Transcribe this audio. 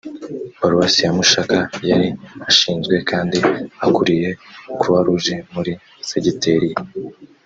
paruwasi ya mushaka yari ashinzwe kandi akuriye croix rouge muri segiteri ye